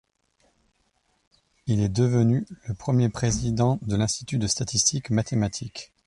Il est devenu le premier président de l'Institut de statistique mathématique.